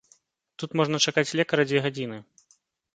Тут можна чакаць лекара дзве гадзіны.